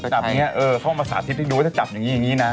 เขาออกมาสาธิตให้ดูว่าจะจับอย่างนี้นะ